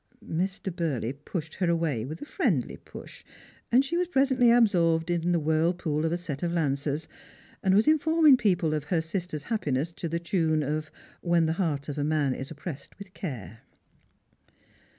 Mr. Burley pushed her away with a friendly push, and she was presently absorbed in the whirlpool of a set of Lancers, and was informing people of her sisters' happiness to the tune of " When the heart of a man is oppressed with care."